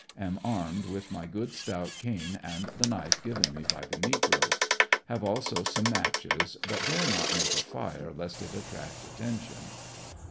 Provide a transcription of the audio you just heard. Am armed with my good stout cane and the knife given me by the negro ; have also some matches, but dare not make a fire lest it attract attention.